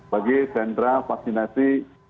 bagi sentra vaksinasi